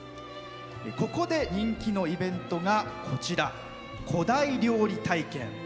ここで人気のイベントが古代料理体験。